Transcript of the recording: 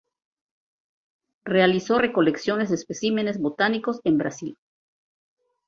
Realizó recolecciones de especímenes botánicos en Brasil.